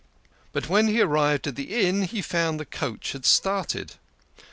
But when he arrived at the inn he found the coach had started.